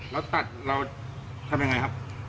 แล้วตัดเราทำยังไงครับ